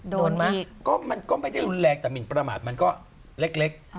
โดนมั้ยก็ไม่ได้แรกแต่มิ่นประมาทมันก็เล็ก